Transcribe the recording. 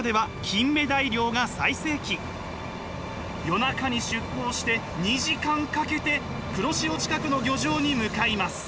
夜中に出港して２時間かけて黒潮近くの漁場に向かいます。